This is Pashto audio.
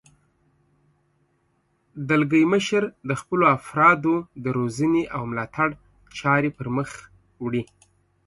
دلګی مشر د خپلو افرادو د روزنې او ملاتړ چارې پرمخ وړي.